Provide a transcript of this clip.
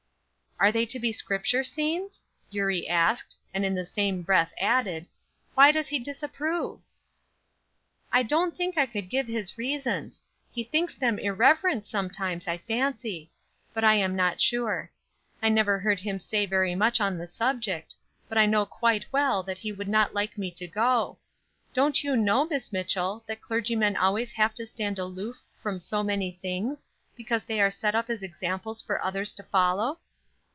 "Are they to be Scripture scenes?" Eurie asked; and in the same breath added: "Why does he disapprove?" "I don't think I could give his reasons. He thinks them irreverent, sometimes, I fancy; but I am not sure. I never heard him say very much on the subject; but I know quite well that he would not like me to go. Don't you know, Miss Mitchell, that clergymen always have to stand aloof from so many things, because they are set up as examples for others to follow?"